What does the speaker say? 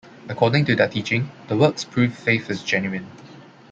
According to their teaching, the works prove faith is genuine.